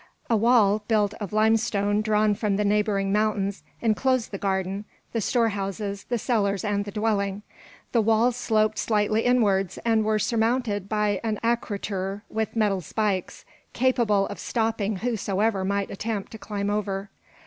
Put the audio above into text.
A wall, built of limestone drawn from the neighbouring mountains, enclosed the garden, the store houses, the cellars, and the dwelling. The walls sloped slightly inwards and were surmounted by an acroter with metal spikes, capable of stopping whosoever might attempt to climb over.